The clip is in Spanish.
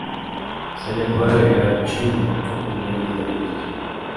Se le puede agregar chile, dependiendo del gusto.